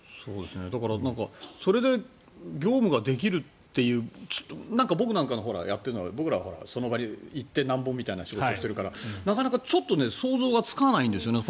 だから、それで業務ができるという僕なんかやっている僕らはその場に行ってなんぼの仕事をしているからなかなかちょっと想像がつかないんですよね。